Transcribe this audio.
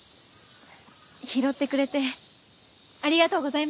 拾ってくれてありがとうございました。